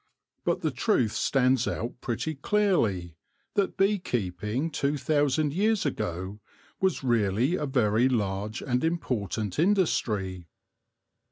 But the truth stands out pretty clearly that bee keeping two thousand years ago was really a very large and impor tant industry.